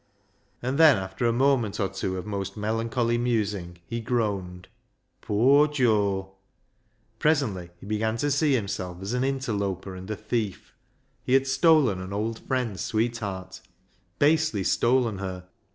And then after a moment or two of most melancholy musing, he groaned —" Poor Joe !" Presently he began to see himself as an interloper and thief. He had stolen an old friend's sweetheart. Basely stolen her